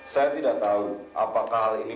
saya tidak tahu apakah hal ini